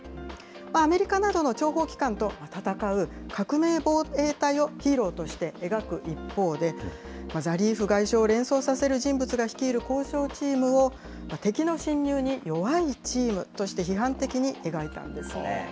アメリカなどの諜報機関と戦う革命防衛隊をヒーローとして描く一方で、ザリーフ外相を連想させる人物が率いる交渉チームを、敵の侵入に弱いチームとして批判的に描いたんですね。